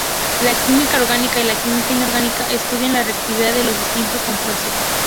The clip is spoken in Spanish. La química orgánica y la química inorgánica estudian la reactividad de los distintos compuestos.